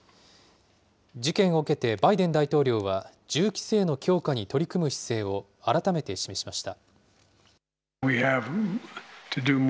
事件を受けてバイデン大統領は、銃規制の強化に取り組む姿勢を改めて示しました。